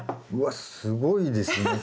わっすごいですね。